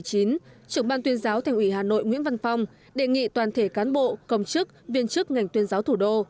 trưởng ban tuyên giáo thành ủy hà nội nguyễn văn phong đề nghị toàn thể cán bộ công chức viên chức ngành tuyên giáo thủ đô